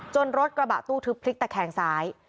รถกระบะตู้ทึบพลิกตะแคงซ้าย